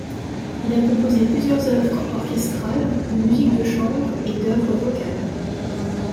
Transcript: Il a composé plusieurs œuvres orchestrales, de musique de chambre et d'œuvres vocales.